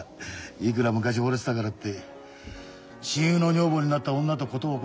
いくら昔ほれてたからって親友の女房になった女とコトを起こす気はないよ。